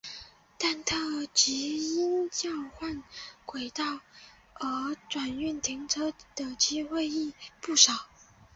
但特急因交换轨道而运转停车的机会亦不少。